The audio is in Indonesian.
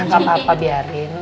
gak apa apa biarin